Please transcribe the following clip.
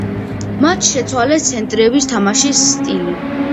მათ შეცვალეს ცენტრების თამაშის სტილი.